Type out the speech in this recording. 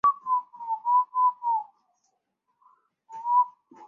接着巴区号留在大西洋及加勒比海执勤。